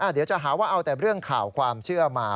เดี๋ยวจะหาว่าเอาแต่เรื่องข่าวความเชื่อมา